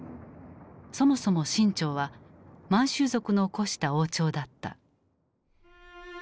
そもそも清朝は満州族の興した王朝だった。